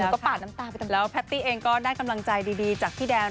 ใช่แล้วค่ะแล้วแพทย์เองก็ได้กำลังใจดีจากพี่แดน